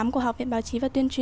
của học viện báo chí